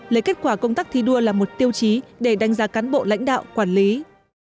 lấy kết quả công tác thi đua là một tiêu chí để đánh giá cán bộ lãnh đạo quản lý